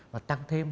và tăng thêm